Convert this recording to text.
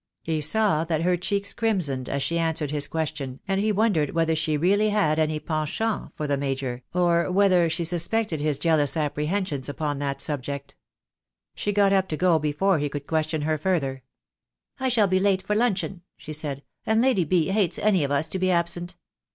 He saw that her cheeks crimsoned as she answered his question, and he wondered whether she really had any penchant for the Major, or whether she suspected his jealous apprehensions upon that subject. She got up to go before he could question her further. "I shall be late for luncheon," she said, "and Lady B. hates any of us to be absent!"